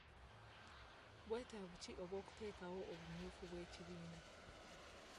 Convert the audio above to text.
Bweetavu ki obw'okuteekawo obumyufu bw'ekibiina?